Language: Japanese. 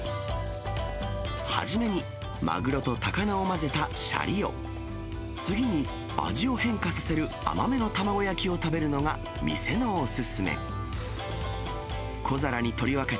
初めに、マグロと高菜を混ぜたシャリを、次に味を変化させる甘めの卵焼きを食べるのが店のお勧め。